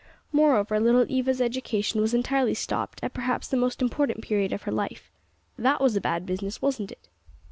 Moreover, little Eva's education was entirely stopped at perhaps the most important period of her life. That was a bad business, wasn't it?"